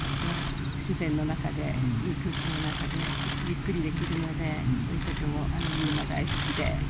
自然の中でいい空気の中でゆっくりできるので、とてもみんな大好きで。